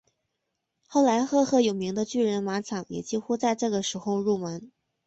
后来赫赫有名的巨人马场也几乎在这个时候入门。